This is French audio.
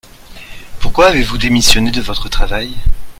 Pourquoi avez-vous démissionné de votre travail ?